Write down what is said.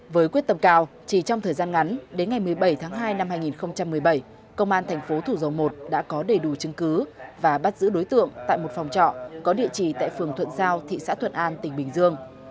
với quyết tâm cao chỉ trong thời gian ngắn đến ngày một mươi bảy tháng hai năm hai nghìn một mươi bảy công an thành phố thủ dầu một đã có đầy đủ chứng cứ và bắt giữ đối tượng tại một phòng trọ có địa chỉ tại phường thuận giao thị xã thuận an tỉnh bình dương